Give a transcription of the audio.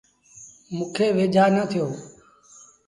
موݩ کي ويجھآ نا ٿيٚو۔